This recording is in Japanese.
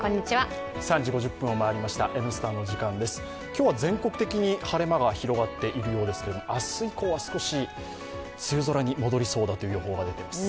今日は全国的に晴れ間が広がっているようですけれども、明日以降は少し梅雨空に戻りそうだという予報が出ています。